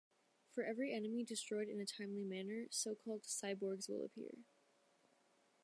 For every enemy destroyed in a timely manner, so-called "cyborgs" will appear.